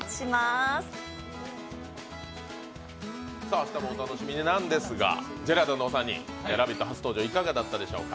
明日もお楽しみになんですが、ジェラードンのお三人、初登場いかがだったでしょうか？